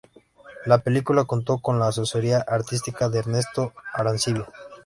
La película contó con la asesoría artística de Ernesto Arancibia.